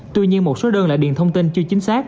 tuy nhiên một số đơn lại điền thông tin chưa chính xác